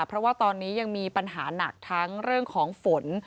เพราะว่าตอนนี้ยังมีปัญหาหนักทั้งเรื่องของฝน